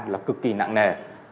là cực kỳ nặng nề